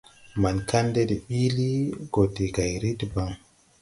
Maŋ Kandɛ de biili, go de gayri debaŋ.